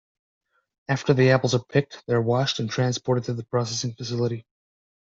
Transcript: After the apples are picked, they are washed and transported to the processing facility.